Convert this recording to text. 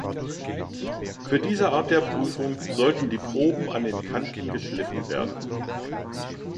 Für diese Art der Prüfung sollten die Proben an den Kanten geschliffen werden.